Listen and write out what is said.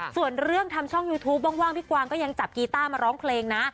ส่วนเรื่องทำช่องยูทูปว่างพี่กวางก็ยังจับกีต้ามาร้องเพลงนะ